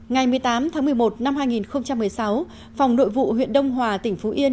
ngày một mươi tám tháng một mươi một năm hai nghìn một mươi sáu phòng nội vụ huyện đông hòa tỉnh phú yên